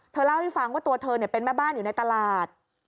เล่าให้ฟังว่าตัวเธอเป็นแม่บ้านอยู่ในตลาด